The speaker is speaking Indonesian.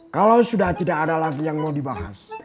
kalau sudah tidak ada lagi yang mau dibahas